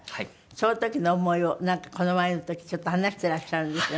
その時の思いをなんかこの前の時ちょっと話してらっしゃるんですよ